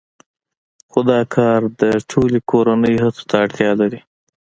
خو دا کار د ټولې کورنۍ هڅو ته اړتیا لري